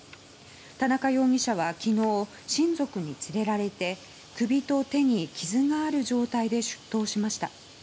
田中容疑者は昨日親族に連れられて首と手に傷がある状態で出頭しました。